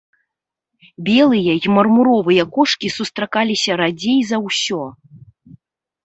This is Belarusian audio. Белыя і мармуровыя кошкі сустракаліся радзей за ўсё.